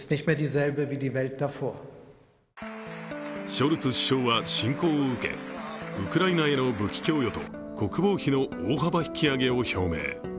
ショルツ首相は侵攻を受け、ウクライナへの武器供与と国防費の大幅引き上げを表明。